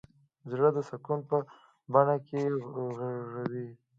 زړه د سکون په بڼ کې غوړېږي.